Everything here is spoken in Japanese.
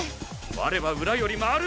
我は裏より回る！